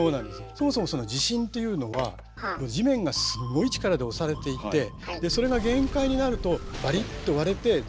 そもそもその地震というのは地面がすごい力で押されていてでそれが限界になるとバリッと割れてずれる。